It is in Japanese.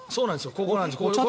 ここなんです。